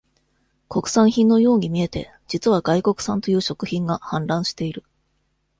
国産品のように見えて、実は外国産という食品が、氾濫している。